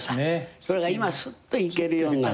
それが今はすっと行けるようになった。